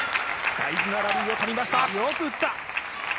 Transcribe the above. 大事なラリーをとりました。